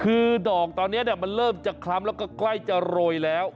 คือดอกตอนนี้มันเริ่มจะคล้ำแล้วก็ใกล้จะโรยแล้ว